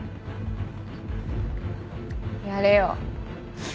やれよ。